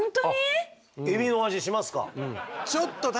あっエビの味しますか？